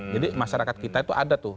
jadi masyarakat kita itu ada tuh